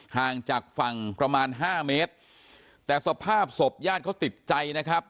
ห่างจากฝั่งประมาณห้าเมตรแต่สภาพศพญาติเขาติดใจนะครับ